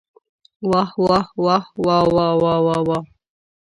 واه واه واه واوا واوا.